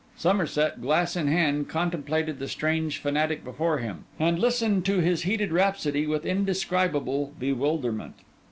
Somerset, glass in hand, contemplated the strange fanatic before him, and listened to his heated rhapsody, with indescribable bewilderment.